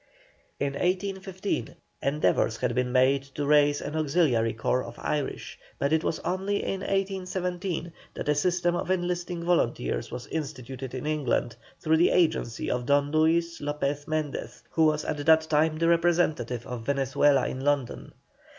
In 1815 endeavours had been made to raise an auxiliary corps of Irish, but it was only in 1817 that a system of enlisting volunteers was instituted in England, through the agency of Don Luis Lopez Mendez, who was at that time the representative of Venezuela in London.